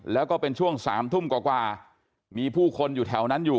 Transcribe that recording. แล้วก็เป็นช่วง๓ทุ่มกว่ามีผู้คนอยู่แถวนั้นอยู่